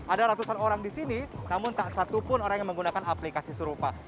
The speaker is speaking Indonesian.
ada ratusan orang di sini namun tak satupun orang yang menggunakan aplikasi serupa